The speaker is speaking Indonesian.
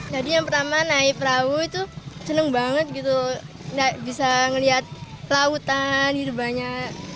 jadi yang pertama naik perahu itu seneng banget gitu bisa melihat lautan banyak